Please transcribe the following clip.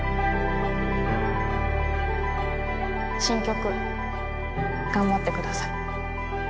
新曲頑張ってください